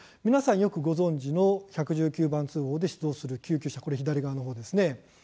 皆さん、よくご存じの１１９番通報で出動する救急車左側のものです。